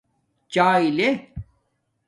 چاݵے لے